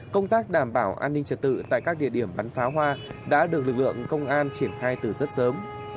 công tác đảm bảo an ninh trật tự tại các địa điểm bắn phá hoa đã được lực lượng công an triển khai từ rất sớm